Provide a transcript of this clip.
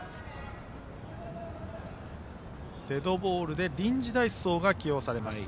デッドボールで臨時代走が起用されます。